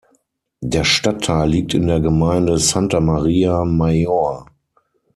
Der Stadtteil liegt in der Gemeinde Santa Maria Maior.